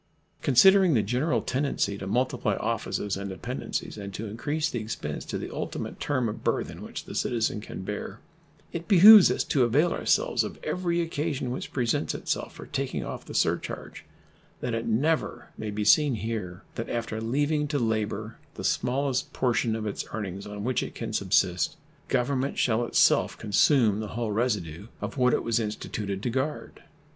Considering the general tendency to multiply offices and dependencies and to increase expense to the ultimate term of burthen which the citizen can bear, it behooves us to avail ourselves of every occasion which presents itself for taking off the surcharge, that it never may be seen here that after leaving to labor the smallest portion of its earnings on which it can subsist, Government shall itself consume the whole residue of what it was instituted to guard.